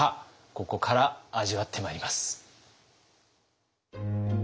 ここから味わってまいります。